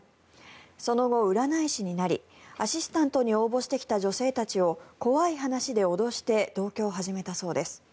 その後、占い師になりアシスタントに応募してきた女性たちを怖い話で脅して同居を始めたそうです。